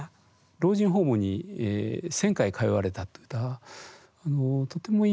老人ホームに千回通われたという歌とてもいい歌だと思いますね。